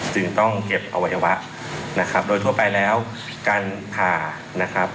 จึงต้องเก็บอวัยวะนะครับโดยทั่วไปแล้วการผ่านะครับ